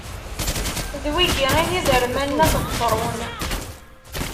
D wigi i d iderman n wat Betṛun.